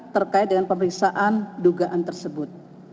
terkait dengan pemeriksaan dugaan tersebut